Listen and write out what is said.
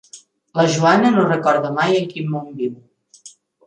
La Joana no recorda mai en quin món viu.